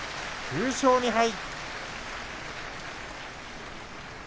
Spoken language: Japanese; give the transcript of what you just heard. ９勝２敗。